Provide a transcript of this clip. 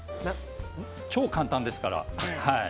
超簡単ですから。